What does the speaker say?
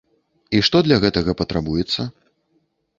І што для гэтага патрабуецца?